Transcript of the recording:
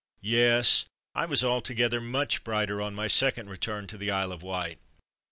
Yes, I was altogether much brighter on my second return to the Isle of Wight.